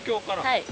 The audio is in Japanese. はい。